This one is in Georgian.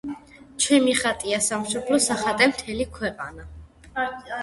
ჩემი ხატია სამშობლო, სახატე მთელი ქვეყანა.